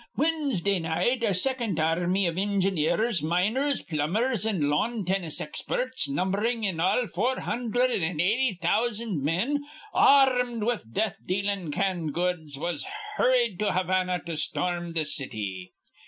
Winsdah night a second ar rmy iv injineers, miners, plumbers, an' lawn tinnis experts, numberin' in all four hundherd an' eighty thousand men, ar rmed with death dealin' canned goods, was hurried to Havana to storm th' city.